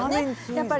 やっぱり。